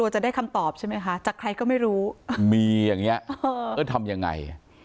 จะได้คำตอบใช่ไหมคะจากใครก็ไม่รู้มีอย่างเงี้เออทำยังไง